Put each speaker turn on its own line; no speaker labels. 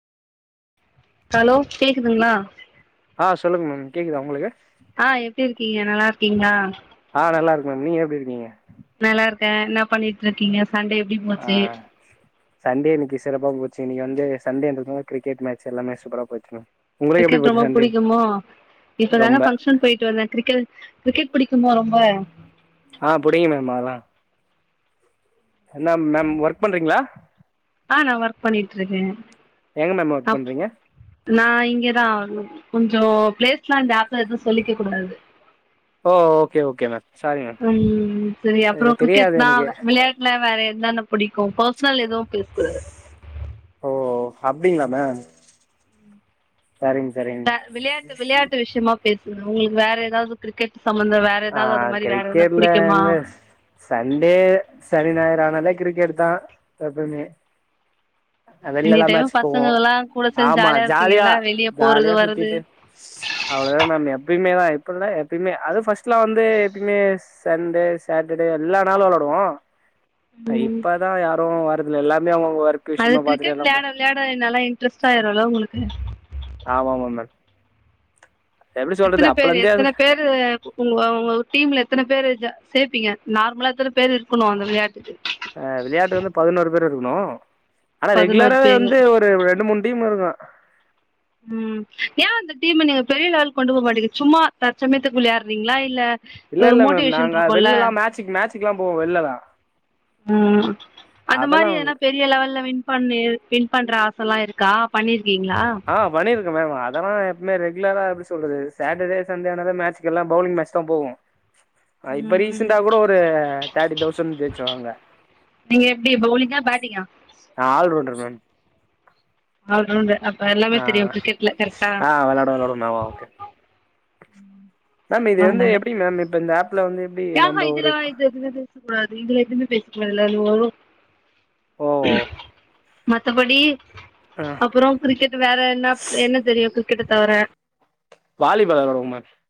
hello கேக்குதுங்களா
ஆ சொல்லுங்க மேம் கேக்குதா உங்களுக்கு
ஆ எப்டி இருக்கீங்க நல்லா இருக்கீங்களா
ஆ நல்லா இருக்கே மேம் நீங்க எப்டி இருக்கீங்க
நல்லா இருக்கே என்னா பண்ணிட்டு இருக்கீங்க சண்டே எப்டி
ஆ
போச்சு
சண்டே இன்னிக்கு சிறப்பா போச்சு இன்னிக்கு வந்து சண்டேறதுனால கிரிக்கெட் மேட்ச் எல்லாமே சூப்பரா போச்சு மேம் உங்களுக்கு எப்டி
கிரிக்கெட்
போச்சு
ரொம்ப
சண்டே
புடிக்குமோ இப்பதாங்க
ரொம்ப
பங்க்ஷன் போயிட்டு வந்தே கிரிக்கெ கிரிக்கெட் புடிக்குமோ ரொம்ப
ஆ புடிக்கும் மேம் அதலாம் என்ன மேம் ஒர்க் பண்றீங்களா
ஆ நான் ஒர்க் பண்ணிட்டு இருக்கேன்
எங்க மேம் ஒர்க்
அப்
பண்றீங்க
நான் இங்கதான் கொஞ்சம் பிளேஸ்லாம் [unintelligible] எதும் சொல்லிக்க கூடாது
ஓ okay okay ma'am sorry ma'am
ம் செரி
இதுல
அப்புறம் கிரிக்கெட்
தெரியாது எனக்கு
தான் விளையா இல்ல வேற என்னனா புடிக்கும் பர்சனல் எதுவும் பேச கூடாது
ஓ அப்படிங்களா மேம் சரிங்க சரிங்க
வே
மேம்
விளையாட்டு விளையாட்டு விஷமா பேசுங்க உங்களுக்கு வேற ஏதாது கிரிக்கெட் சம்பந்தம் வேற
ஆ
ஏதாவது அது மாரி வேற எதனா
கிரிக்கெட்ல
புடிக்குமா
எங்க சண்டே சனி ஞாயர் ஆனாலே கிரிக்கெட் தான் எப்பமே
எனி
வெள்ல்லா
டைம்
மேச்சு போவோம்
பசங்கல்லா கூட சேந்து
ஆமா ஜாலியா
இருப்பீங்கல்ல வெளிய போறது
ஜாலியா
வர்றது
சுத்திட்டு அவ்வளவுதான் மேம் எப்யுமே தான் இருக்கோல்ல எப்பயுமே அது ஃபர்ஸ்ட் ஃபஸ்ட்லா வந்து எப்பயுமே சண்டே சாட்டடே எல்லா நாளும் விளாடுவோம் இப்பதான் யாரும் வரதுல்ல எல்லாமே அவங்அவங்க ஒர்க்
அது
விஷயமா பாத்துட்டு
கிரிக்கெட்
எல்லா போ
விளயாட விளயாட நல்லா இன்ட்ரெஸ்ட ஆயிடொல உங்களுக்கு
ஆமா ஆமா மேம் எப்டி
எத்தன
சொல்றது
பேரு
அப்பலந்தே அது
எத்தன பேரு உங்க டீம்ல எத்தன பேர் சேப்பீங்க நார்மலா எத்தன பேர் இருக்கணும் அந்த விளயாட்டுக்கு
விளையாட்டு வந்து பதினோரு பேர் இருக்கொணும் ஆனா
பதினோரு
ரெகுலராவே
பேரு
வந்து ஒரு ரெண்டு மூணு டீம் இருக்கும்
ம் ஏன் அந்த டீம் நீங்க பெரிய லெவல் கொண்டு போக மாட்டீங்க சும்மா தற்சமயத்துக்கு விளயாறீங்களா இல்ல
இல்ல
ஒரு
இல்ல மேம்
மோட்டிவேஷன்
நாங்க
இருக்குல்ல
வெள்லலாம் மேட்சுக் மேட்சக்கு எல்லாம் போவோம் வெள்லலாம்
ம் அந்த மாரி ஏனா பே பெரிய லெவல்ல வின் பண்ணி வின் பண்ற ஆசலாம் இருக்கா பண்ணிருக்கீங்களா
ஆ பண்ணியிருக்கே மேம் அதெல்லாம் எப்மே ரெகுலராக எப்டி சொல்றது சாட்டர்டே சண்டானதான் மேட்ச்குக்கெல்லாம் பவுல்லிங் மேட்ச் தான் போவோம்
[inaudible]
ஆ இப்ப
ம் ம்
ரீசண்டா கூட ஒரு தேர்டி தௌசண்ட் ஜெய்சச்சுவாங்க
நீங்க எப்டி பவுலிங்கா பேட்டிங்கா
நான் ஆல் ரவுண்டர் மேம்
ஆல்ரவுண்டர் அப்ப எல்லாமே
ஆ
தெரியும் கிரிக்கெட்ல கரெக்டா
ஆ வெளாடுவே வெளாடுவே மேம் ஓகே மேம் இது வந்து எப்டி மேம் இப்ப இந்த அப்ல வந்து எப்டி
யஹா
நம்ப
இதுல
ஒரு
இது எதுவுமே பேசக்க கூடாது இதுல எதுவுமே பேசக்கூடாதுல்ல ஐயோ
ஓ
மத்தபடி
ஆ
அப்பொறம் கிரிக்கெட் வேற என்ன என்ன தெரியும் கிரிக்கெட்ட தவர
வாலி பால் வெளாடுவோம் மேம்